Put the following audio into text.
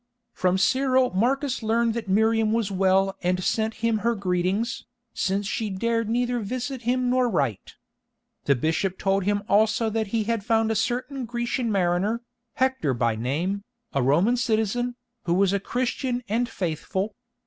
From Cyril Marcus learned that Miriam was well and sent him her greetings, since she dared neither visit him nor write. The bishop told him also that he had found a certain Grecian mariner, Hector by name, a Roman citizen, who was a Christian and faithful.